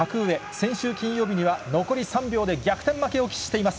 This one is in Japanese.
先週金曜日には残り３秒で逆転負けを喫しています。